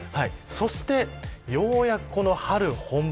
そして、ようやく春本番。